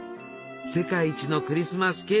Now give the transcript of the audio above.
「世界一のクリスマスケーキ」。